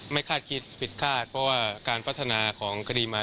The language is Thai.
คาดคิดผิดคาดเพราะว่าการพัฒนาของคดีมา